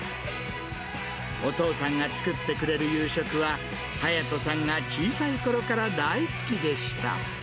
お父さんが作ってくれる夕食は、はやとさんが小さいころから大好きでした。